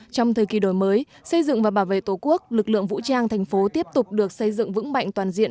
trong thời kỳ đổi mới xây dựng và bảo vệ tổ quốc lực lượng vũ trang thành phố tiếp tục được xây dựng vững mạnh toàn diện